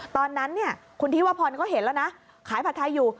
ตอนนั้นเนี่ยคุณธิวพรก็เห็นแล้วนะขายผัดไทยอยู่